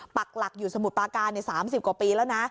ปักหลักอยู่สมุทรปาการ๓๐กว่าปีแล้วนะ